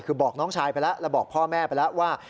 คือบอกน้องชายไปแล้วแล้วบอกพ่อแม่ไปแล้วว่า